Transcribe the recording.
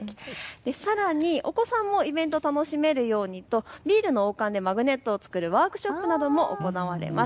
さらにお子さんもイベントを楽しめるようにビールの王冠でマグネットを作るワークショップなども行われます。